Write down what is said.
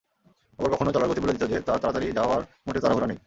আবার কখনো চলার গতি বলে দিত যে, তার তাড়াতাড়ি যাওয়ার মোটেও তাড়াহুড়া নেই।